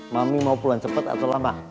mami mau pulang cepet atau lambat